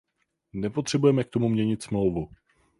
Nepotřebujeme k tomu měnit Smlouvu.